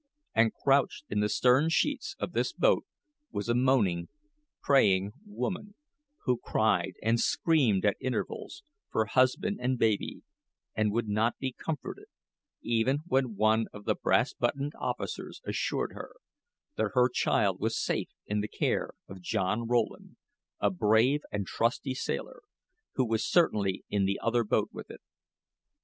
And, crouched in the stern sheets of this boat was a moaning, praying woman, who cried and screamed at intervals, for husband and baby, and would not be comforted, even when one of the brass buttoned officers assured her that her child was safe in the care of John Rowland, a brave and trusty sailor, who was certainly in the other boat with it.